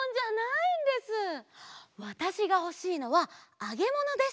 わたしがほしいのはあげものです！